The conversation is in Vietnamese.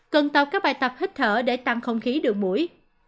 cần tạo các bài tập hít thở để tăng không khí đường mũi